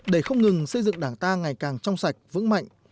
để không ngừng xây dựng đảng ta ngày càng trong sạch vững mạnh